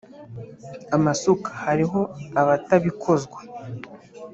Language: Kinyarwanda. amasuka Hariho abatabikozwa